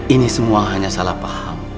ini semua hanya salah paham